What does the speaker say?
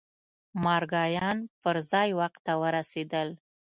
مارګایان پر ځای واک ته ورسېدل.